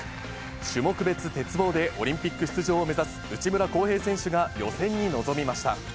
種目別鉄棒で、オリンピック出場を目指す内村航平選手が予選に臨みました。